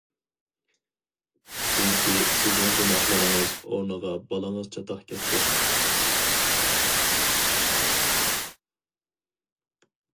چۈنكى سىزنىڭ گۇناھلىرىڭىز ئورنىغا بالىڭىز چاتاق كەتتى.